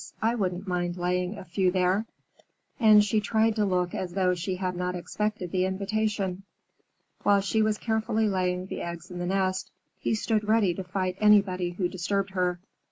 I wouldn't mind laying a few there." And she tried to look as though she had not expected the invitation. While she was carefully laying the eggs in the nest, he stood ready to fight anybody who disturbed her.